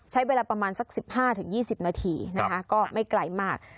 ใช้เวลาประมาณสัก๑๕๒๐นาทีนะคะก็ไม่ไกลมาก